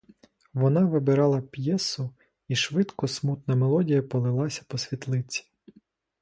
Вона вибирала п'єсу, і швидко смутна мелодія полилася по світлиці.